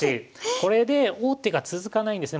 これで王手が続かないんですね。